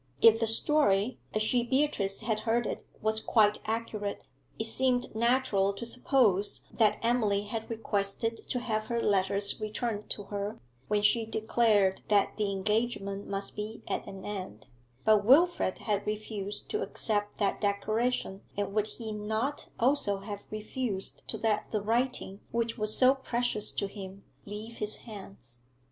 If the story as she, Beatrice, had heard it was quite accurate, it seemed natural to suppose that Emily had requested to have her letters returned to her when she declared that the engagement must be at an end; but Wilfrid had refused to accept that declaration, and would he not also have refused to let the writing which was so precious to him leave his hands?